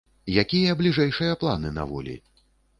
Якія бліжэйшыя планы на волі?